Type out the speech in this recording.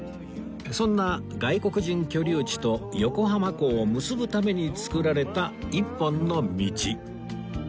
そんな外国人居留地と横浜港を結ぶために作られた一本の道